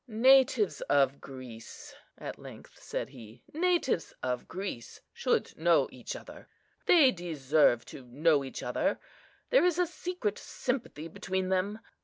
"Natives of Greece," at length said he, "natives of Greece should know each other; they deserve to know each other; there is a secret sympathy between them.